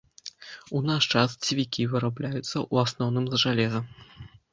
У наш час цвікі вырабляюцца ў асноўным з жалеза.